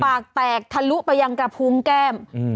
ปากแตกทะลุไปยังกระพุงแก้ม